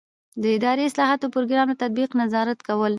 د اداري اصلاحاتو د پروګرام له تطبیق نظارت کول.